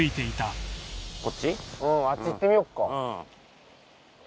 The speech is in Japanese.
うんあっち行ってみよっかあ